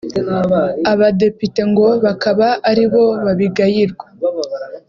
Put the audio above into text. Abadepite ngo bakaba ari bo babigayirwa